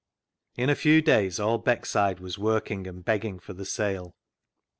In a few days all Beckside was working and begging for the sale.